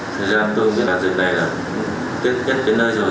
thời gian tôi mới đạt được này là tết đến nơi rồi